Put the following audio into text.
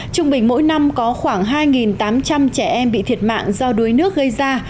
trung bình mỗi năm có khoảng hai tám trăm linh trẻ em bị thiệt mạng do đuối nước gây ra